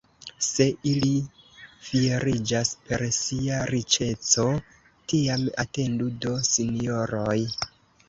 Se ili fieriĝas per sia riĉeco, tiam atendu do, sinjoroj!